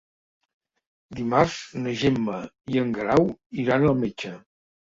Dimarts na Gemma i en Guerau iran al metge.